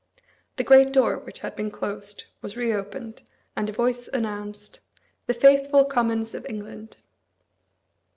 The great door, which had been closed, was reopened; and a voice announced, "The faithful Commons of England."